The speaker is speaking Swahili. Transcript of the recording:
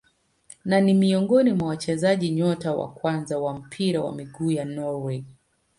Na ni miongoni mwa wachezaji nyota wa kwanza wa mpira wa miguu wa Norway.